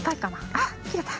あっきれた。